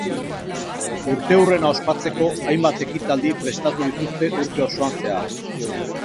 Urteurrena ospatzeko, hainbat ekitaldi prestatu dituzte urte osoan zehar.